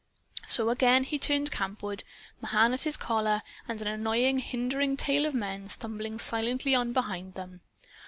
So again he turned campward, Mahan at his collar and an annoyingly hindering tail of men stumbling silently on behind them.